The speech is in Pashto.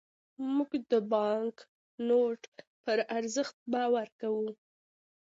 موږ د بانکنوټ پر ارزښت باور کوو.